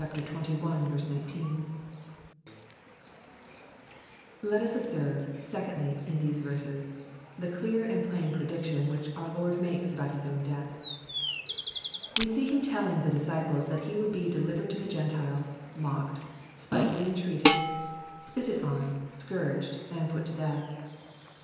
19 ) Let us observe, secondly, in these verses, the clear and plain prediction which our Lord makes about His own death. We see Him telling the disciples that He would be "delivered to the Gentiles, mocked, spitefully en treated, spitted on, scourged, and put to death."